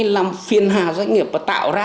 làm phiền hào doanh nghiệp và tạo ra